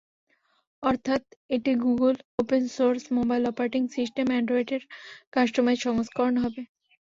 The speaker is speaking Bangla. অর্থাৎ, এটি গুগলের open source mobile operating system অ্যান্ড্রয়েডের কাস্টোমাইজ সংস্করণ হবে।